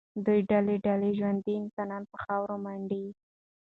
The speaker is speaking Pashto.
دوی ډله ډله ژوندي انسانان په خاورو منډي.